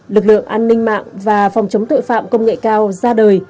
lực lượng an ninh mạng và phòng chống tội phạm công nghệ cao ra đời